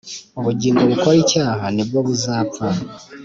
Ubugingo bukora icyaha ni bwo buzapfa,